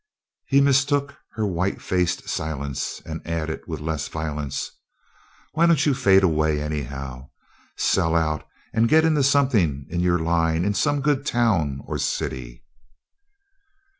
He mistook her white faced silence, and added with less violence: "Why don't you fade away, anyhow sell out and get into something in your line in some good town or city?"